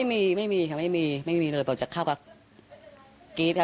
มีเสียงล่ะมักอาซิสเข้าที่หัว